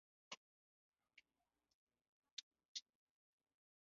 دوی خپلو شرکتونو او تولیداتو ته پراختیا ورکولای شوای.